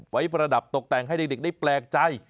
ประดับตกแต่งให้เด็กได้แปลกใจ